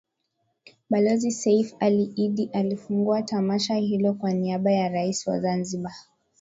Balozi Seif Ali Iddi alifungua tamasha hilo kwa niaba ya Rais wa Zanzibar